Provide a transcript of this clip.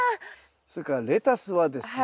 それからレタスはですね